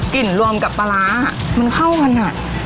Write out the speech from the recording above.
กลิ่นรวมกับปลาร้ามันเข้ากัน